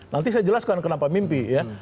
nanti saya jelaskan kenapa mimpi ya